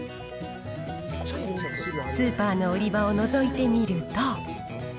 スーパーの売り場をのぞいてみると。